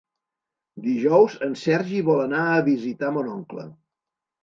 Dijous en Sergi vol anar a visitar mon oncle.